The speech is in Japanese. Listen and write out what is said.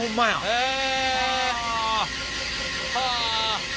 へえ！